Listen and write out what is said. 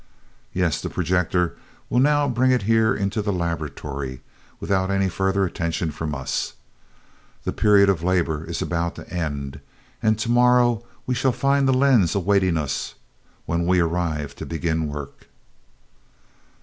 "Yes. The projector will now bring it here into the laboratory without any further attention from us. The period of labor is about to end, and tomorrow we shall find the lens awaiting us when we arrive to begin work."